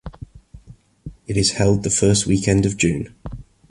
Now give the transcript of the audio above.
It is held the first weekend of June.